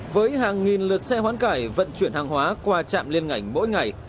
với hàng nghìn lượt xe hoãn cải vận chuyển hàng hóa qua trạm liên ngành mỗi ngày